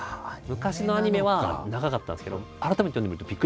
昔のアニメは長かったんですけど改めて読んでみるとびっくりしますよ。